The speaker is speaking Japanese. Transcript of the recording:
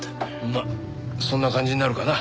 まあそんな感じになるかな。